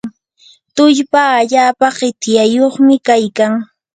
tullpa allapa qityayuqmi kaykan.